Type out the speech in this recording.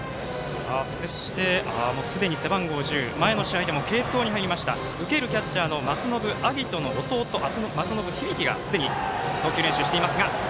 そして、すでに背番号１０前の試合でも継投に入りました受けるキャッチャーの松延晶音の弟松延響が投球練習しています。